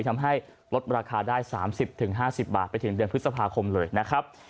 ทำให้ลดราคาได้๓๐๕๐บาทไปถึงเดือนพฤษภาคมเลยนะครับ